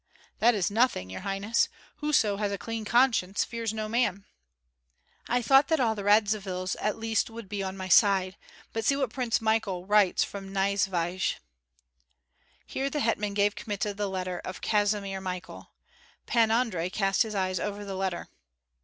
"That is nothing, your highness. Whoso has a clean conscience fears no man." "I thought that all the Radzivills at least would be on my side, but see what Prince Michael writes from Nyesvyej." Here the hetman gave Kmita the letter of Kazimir Michael. Pan Andrei cast his eyes over the letter.